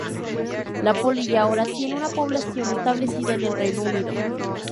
La polilla ahora tiene una población establecida en el Reino Unido.